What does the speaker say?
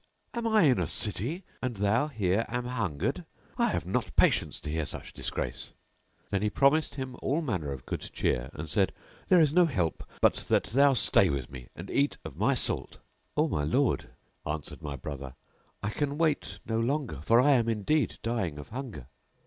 am I in a City, and thou here an hungered? I have not patience to bear such disgrace!" Then he promised him all manner of good cheer and said, "There is no help but that thou stay with me and eat of my salt."[FN#686] "O my lord," answered my brother, "I can wait no longer; for I am indeed dying of hunger."